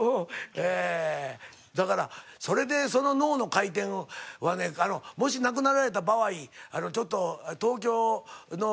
えーだからそれでその脳の回転はねもし亡くなられた場合ちょっと東京の病院に持っていきなはれ。